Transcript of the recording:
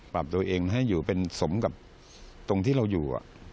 ปรับตัวเองให้อยู่เป็นสมกับตรงที่เราอยู่